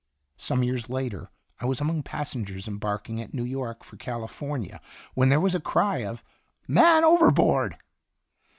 '" Some years later, I was among passengers embarking at New York for California, when there was a cry of " Man overboard